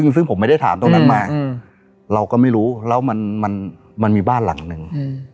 ซึ่งผมไม่ได้ถามตรงนั้นมาเราก็ไม่รู้แล้วมันมีบ้านหลังหนึ่ง